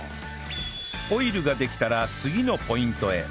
オイルができたら次のポイントへ